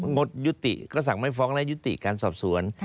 งดยุติก็สั่งไม่ฟ้องและยุติการสอบสวน